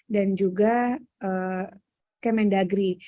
dan juga kemendagri